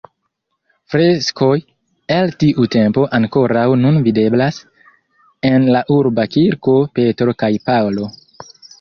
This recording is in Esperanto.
Freskoj el tiu tempo ankoraŭ nun videblas en la urba kirko Petro kaj Paŭlo.